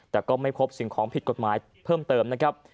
แต่ก็ไม่พบสิ่งของผิดกฎหมายเพิ่มเติมนะครับ